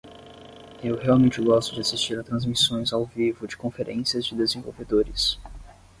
Eu realmente gosto de assistir a transmissões ao vivo de conferências de desenvolvedores.